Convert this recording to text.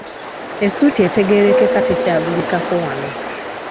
Essuuti etegeerekeka tekyagulikako wano.